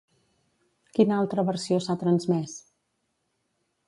Quina altra versió s'ha transmès?